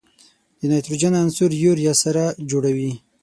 د نایتروجن عنصر یوریا سره جوړوي.